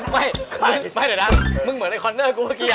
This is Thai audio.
ไม่เดี๋ยวนะมึงเหมือนไอคอนเนอร์กูเมื่อกี้